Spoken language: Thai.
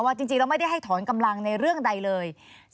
จริงแล้วไม่ได้ให้ถอนกำลังในเรื่องใดเลย